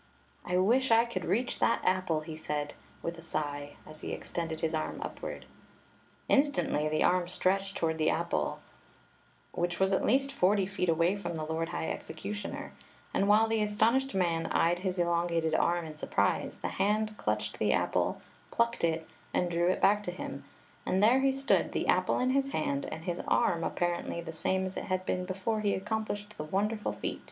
"I wish I could reach that apple 1" he ssud, with a sigh, as he extended his arm upward Instantly the arm stretched toward the apple, which Story of the Magic Cloak was at least forty feet away from the lord high execu tioner; and while the astonished man eyed his elon gated arm in surprise, the hand clutched the apple, plucked and drew it back to him; and there he stood — the api^e in his hand, and his arm apparently the same as it had been before he accomplished the wonderful feat.